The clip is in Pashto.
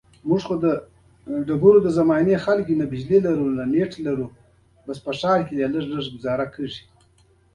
ګڼ شمېر خلک سږ اوړی د جګړې پر حقیقت او ماهیت پوه شول.